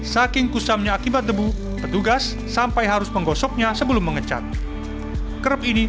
saking kusamnya akibat debu petugas sampai harus menggosoknya sebelum mengecat kerup ini